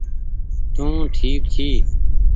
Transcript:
تونٚ ٺيڪ ڇي